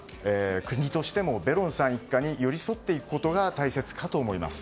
国としてもベロンさん一家に寄り添っていくことが大切かと思います。